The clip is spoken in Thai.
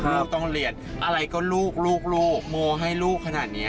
ลูกต้องเรียนอะไรก็ลูกลูกโมให้ลูกขนาดนี้